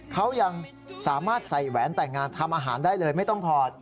เขายังสามารถใส่แหวนแต่งงานทำอาหารได้เลยไม่ต้องถอด